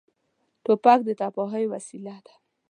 توپک د تباهۍ وسیله ده.